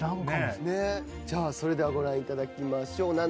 じゃあそれではご覧いただきましょう。